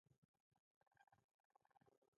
موسیقي او هنر مو سره نږدې دي.